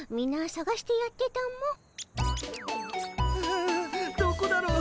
んどこだろう？